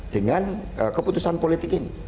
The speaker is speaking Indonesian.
dengan keputusan politik ini